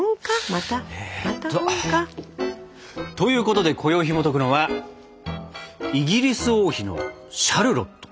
また本か。ということでこよいひもとくのは「イギリス王妃のシャルロット」！